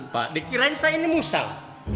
pak dikirain saya ini musal